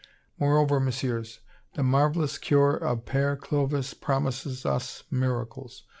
"Moreover, Messieurs, the marvelous cure of Père Clovis promises us miracles.